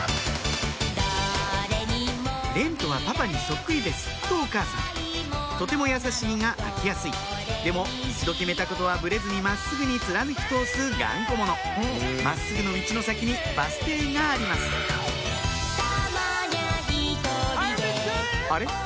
「蓮和はパパにそっくりです」とお母さんとても優しいが飽きやすいでも一度決めたことはブレずに真っすぐに貫き通す頑固者真っすぐの道の先にバス停がありますあれ？